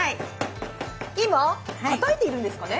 今、たたいているんですかね？